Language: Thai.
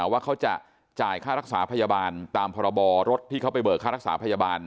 ว่าเขาจะจ่ายค่ารักษาพยาบาลตามพรบรถที่เขาไปเบิกค่ารักษาพยาบาล